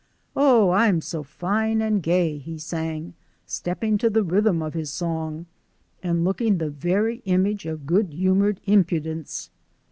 "Oh, I'm so fine and gay," he sang, stepping to the rhythm of his song, and looking the very image of good humoured impudence.